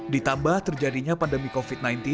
ditambah terjadinya pandemi covid sembilan belas